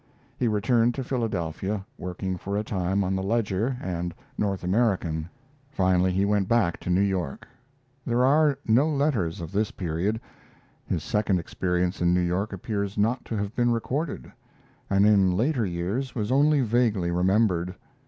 He returned to Philadelphia, working for a time on the Ledger and North American. Finally he went back to New York. There are no letters of this period. His second experience in New York appears not to have been recorded, and in later years was only vaguely remembered.